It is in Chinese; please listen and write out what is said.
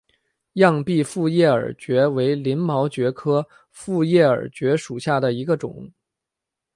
漾濞复叶耳蕨为鳞毛蕨科复叶耳蕨属下的一个种。